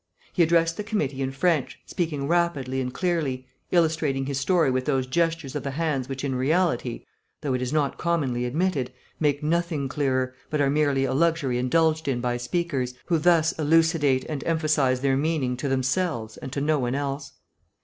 He addressed the committee in French, speaking rapidly and clearly, illustrating his story with those gestures of the hands which in reality (though it is not commonly admitted) make nothing clearer, but are merely a luxury indulged in by speakers, who thus elucidate and emphasise their meaning to themselves and to no one else.